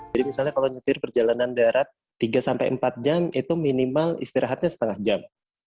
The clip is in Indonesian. jadi misalnya kalau nyetir perjalanan darat tiga empat jam itu minimal istirahatnya setengah jam